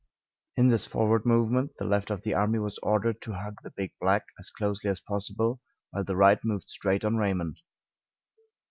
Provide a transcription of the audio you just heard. In this forward movement the left of the army was ordered to hug the Big Black as closely as possible, while the right moved straight on Raymond.